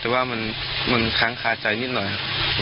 แต่ว่ามันค้างคาใจนิดหน่อยครับ